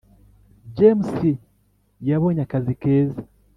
James yabonye akazi keza